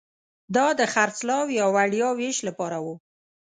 دا د خرڅلاو یا وړیا وېش لپاره وو